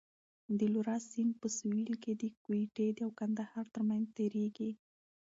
د لورا سیند په سوېل کې د کویټې او کندهار ترمنځ تېرېږي.